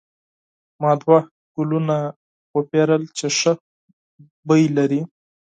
ما دوه ګلونه وپیرل چې ښه بوی لري.